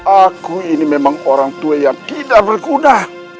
aku ini memang orangtua yang tidak berguna